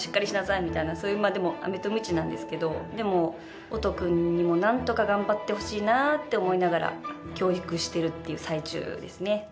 みたいなアメとムチなんですけどでも音くんにも何とか頑張ってほしいなーって思いながら教育してるっていう最中ですね